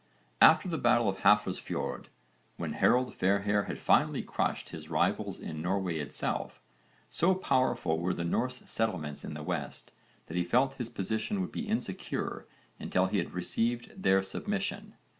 After the battle of Hafrsfjord, when Harold Fairhair had finally crushed his rivals in Norway itself, so powerful were the Norse settlements in the West that he felt his position would be insecure until he had received their submission.